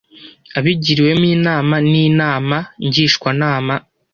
abigiriwemo inama n’inama ngishwa nama